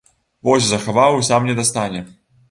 Вось захаваў і сам не дастане!